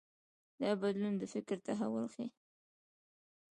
دا بدلون د فکر تحول ښيي.